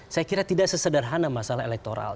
saya kira tidak sesederhana masalah elektoral